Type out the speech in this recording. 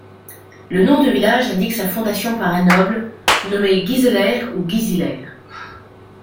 Le nom de village indique sa fondation par un noble nommé Giselher ou Gisilher.